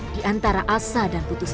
di antara asa dan putus asa